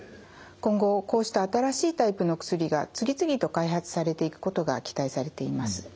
今後こうした新しいタイプの薬が次々と開発されていくことが期待されています。